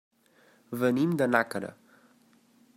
Venim de Nàquera.